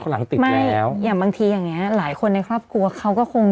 หลังติดมากแล้วอย่างบางทีอย่างเงี้หลายคนในครอบครัวเขาก็คง